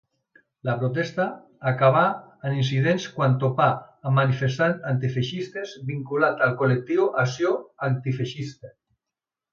La protesta acabà amb incidents quan topà amb manifestants antifeixistes vinculats al col·lectiu Acció Antifeixista.